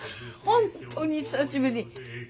本当に久しぶり！